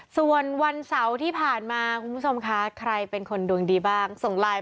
ส่วนวันเสาร์ที่ผ่านมาคุณผู้ชมคะใครเป็นคนดวงดีบ้างส่งไลน์